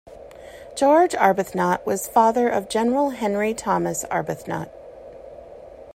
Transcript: George Arbuthnot was father of General Henry Thomas Arbuthnot.